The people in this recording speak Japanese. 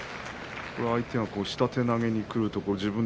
相手が下手投げにくるところ